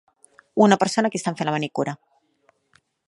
Una persona a qui estan fent la manicura.